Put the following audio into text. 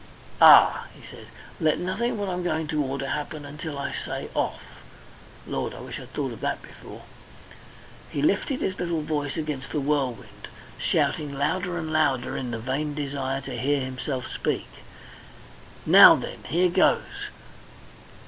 "Ah!" he said. "Let nothing what I'm going to order happen until I say 'Off!'...Lord! I wish I'd thought of that before!" He lifted his little voice against the whirlwind, shouting louder and louder in the vain desire to hear himself speak. "Now then! here goes!